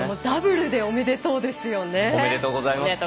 ダブルでおめでとうですよね。